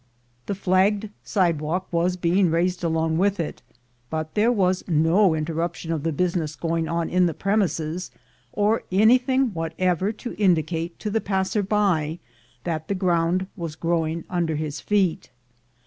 The flagged sidewalk was being raised along with it; but there was no interrup tion of the business going on in the premises, or any thing whatever to indicate to the passer by that the ground was growing under his feet.